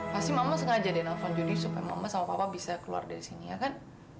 pasti mama sengaja dia nelfon judi supaya mama sama papa bisa keluar dari sini ya kan